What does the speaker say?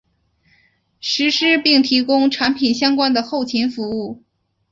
实施并提供产品相关的后勤服务。